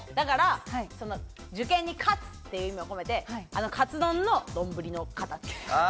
受験に勝つっていう意味を込めて、カツ丼の丼の形。